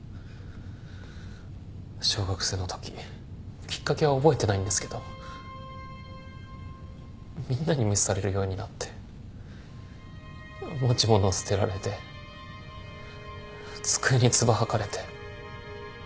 小学生のとききっかけは覚えてないんですけどみんなに無視されるようになって持ち物捨てられて机に唾吐かれて。